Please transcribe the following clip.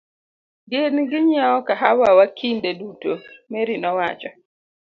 Gin ginyiewo kahawa wa kinde duto, Mary nowacho.